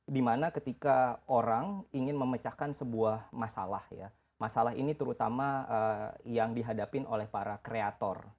dimana ketika orang ingin memecahkan sebuah masalah ya masalah ini terutama yang dihadapin oleh para kreator